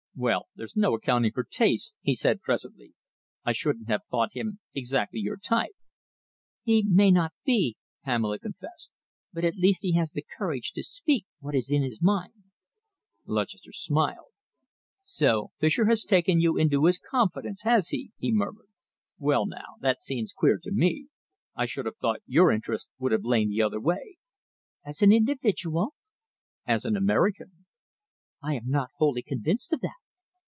"Well, there's no accounting for tastes," he said presently. "I shouldn't have thought him exactly your type." "He may not be," Pamela confessed, "but at least he has the courage to speak what is in his mind." Lutchester smiled. "So Fischer has taken you into his confidence, has he?" he murmured. "Well, now, that seems queer to me. I should have thought your interests would have lain the other way." "As an individual?" "As an American." "I am not wholly convinced of that."